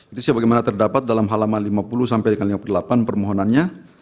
itu sebagaimana terdapat dalam halaman lima puluh sampai dengan lima puluh delapan permohonannya